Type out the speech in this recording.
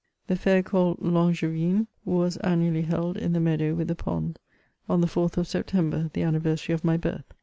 The fair called " L*Angevine," was annually held in the meadow with the pond, on the 4th of September, the anniversary of my birth.